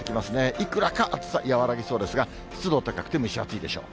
いくらか暑さ和らぎそうですが、湿度高くて、蒸し暑いでしょう。